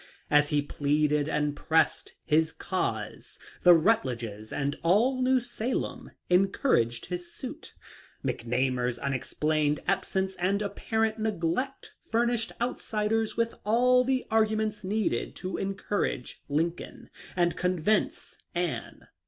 As he pleaded and pressed his cause the Rutledges and all New Salem encouraged his suit. McNamar's unexplained ab sence and apparent neglect furnished outsiders with all the arguments needed to encourage Lincoln and convince Anne.